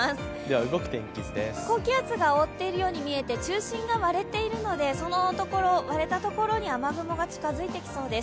高気圧が覆っているように見えて中心が割れているので、そこの割れたところに雨雲が近づいてきそうです。